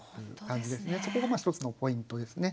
そこが１つのポイントですね。